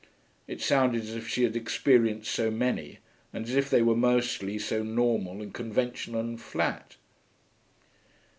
It sounded as if she had experienced so many, and as if they were mostly so normal and conventional and flat.'